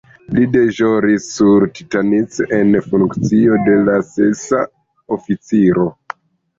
Li deĵoris sur "Titanic" en funkcio de la sesa oficiro.